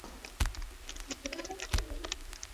圣赫勒拿机场是位于圣赫勒拿岛上的一座国际机场。